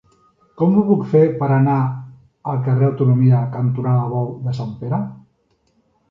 Com ho puc fer per anar al carrer Autonomia cantonada Bou de Sant Pere?